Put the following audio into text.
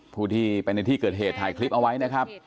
ผู้ที่ไปในที่เกิดเหตุถ่ายคลิปเอาไว้นะครับ